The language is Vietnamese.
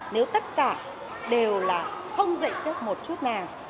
nếu tất cả đều là không dạy trước một chút nào